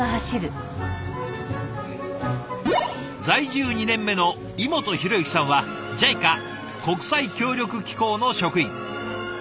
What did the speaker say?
在住２年目の井本浩之さんはＪＩＣＡ＝国際協力機構の職員。